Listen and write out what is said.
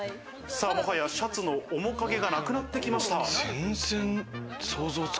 もはや、シャツの面影がなくなってきました。